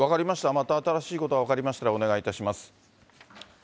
また新しいことが分かりましたら、お願いします。